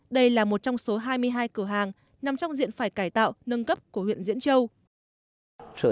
đây là một trong số hai mươi hai cửa hàng nằm trong diện phải cải tạo nâng cấp của huyện diễn châu